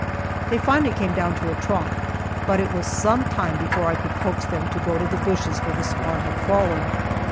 They finally came down to a trot, but it was some time before I could coax them to go to the bushes where the swan had fallen.